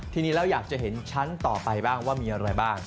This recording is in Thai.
ทีนี้เราอยากจะเห็นชั้นต่อไปบ้างว่ามีอะไรบ้าง